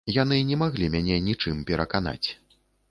Яны не маглі мяне нічым пераканаць.